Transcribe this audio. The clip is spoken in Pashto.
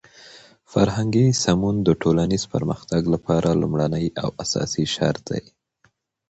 فرهنګي سمون د ټولنیز پرمختګ لپاره لومړنی او اساسی شرط دی.